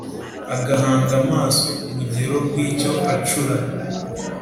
agahanga amaso ku rugero rw’icyo acura;